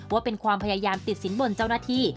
ว่าเป็นความพยายามติดสินบนเจ้าหน้าที่